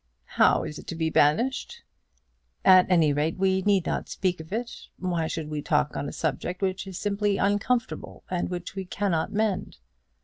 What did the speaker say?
"How is it to be banished?" "At any rate we need not speak of it. Why should we talk on a subject which is simply uncomfortable, and which we cannot mend?"